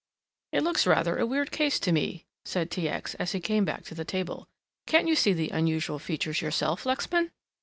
"It looks rather a weird case to me," said T. X., as he came back to the table, "can't you see the unusual features yourself, Lexman!